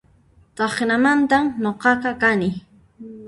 Tacnamantan nuqaqa kani